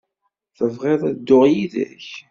Tebɣiḍ ad dduɣ yid-k?